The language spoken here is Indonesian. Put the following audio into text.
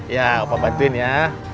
ya apa bantuin ya